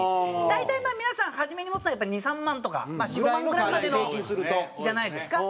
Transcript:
大体まあ皆さん初めに持つのはやっぱり２３万とかまあ４５万ぐらいまでの。じゃないですか？